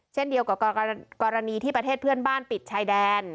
เช่นเดียวกับกรณีที่ประเทศเพื่อนบ้านปิดชายแดน